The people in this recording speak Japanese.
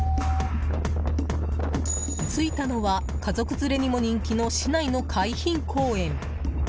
着いたのは、家族連れにも人気の市内の海浜公園。